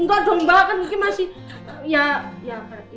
enggak dong bahkan mungkin masih